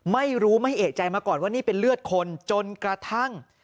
ไม่รู้ไม่เอกใจมาก่อนว่านี่เป็นเลือดคนจนกระทั่ง